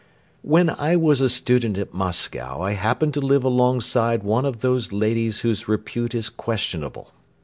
When I was a student at Moscow I happened to live alongside one of those ladies whose repute is questionable.